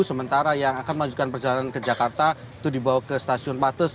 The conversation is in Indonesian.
sementara yang akan melanjutkan perjalanan ke jakarta itu dibawa ke stasiun patus